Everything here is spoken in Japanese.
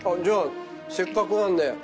じゃあせっかくなんで。